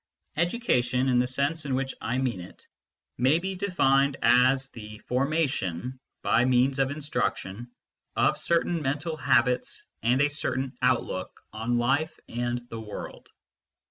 Education, in the sense in which I mean it, may be denned as the formation, by means of instruction, of certain mental habits and a certain outlook on life and the world.